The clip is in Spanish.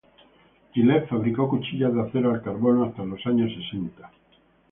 Gillette fabricó cuchillas de acero al carbono hasta los años sesenta.